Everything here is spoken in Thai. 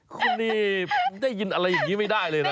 คุณนี่ได้ยินอะไรอย่างนี้ไม่ได้เลยนะ